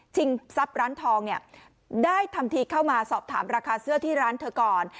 ทรัพย์ร้านทองเนี่ยได้ทำทีเข้ามาสอบถามราคาเสื้อที่ร้านเธอก่อน